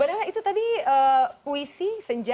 badanya itu tadi puisi